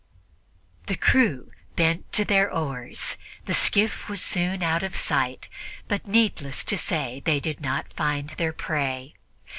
The crew bent to their oars, the skiff was soon out of sight, but needless to say they did not find their prey.